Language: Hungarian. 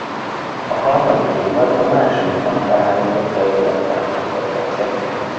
A harmadik évad a másodikban felállított történetszálakat folytatja.